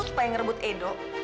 supaya ngerebut edo